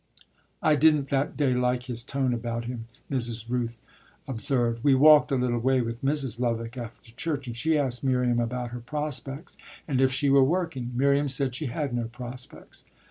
"I didn't, that day, like his tone about him," Mrs. Rooth observed. "We walked a little way with Mrs. Lovick after church and she asked Miriam about her prospects and if she were working. Miriam said she had no prospects."